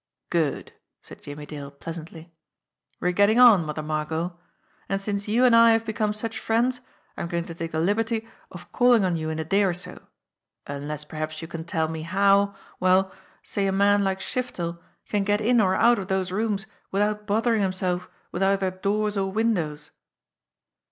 "Good!" said Jimmie Dale pleasantly. "We're getting on, Mother Margot; and since you and I have become such friends, I'm going to take the liberty of calling on you in a day or so unless perhaps you can tell me bow, well, say, a man like Shiftel can get in or out of those rooms without bothering himself with either doors or windows?"